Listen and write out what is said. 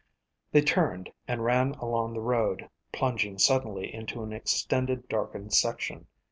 They turned and ran along the road, plunging suddenly into an extended darkened section.